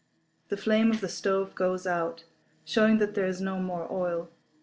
The flame of the stove goes out, showing that there is no more oil.